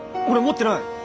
俺持ってない！